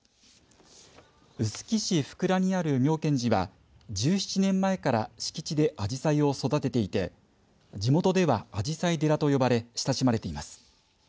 臼杵市福良にある妙顕寺は１７年前から敷地でアジサイを育てていて地元では、アジサイ寺と呼ばれ親しまれています。